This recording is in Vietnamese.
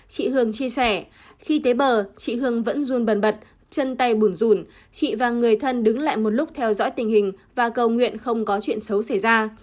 chị hương chia sẻ khi tới bờ chị hương vẫn run bần bật chân tay bùn rùn chị và người thân đứng lại một lúc theo dõi tình hình và cầu nguyện không có chuyện xấu xảy ra